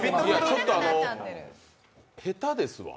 ちょっと下手ですわ。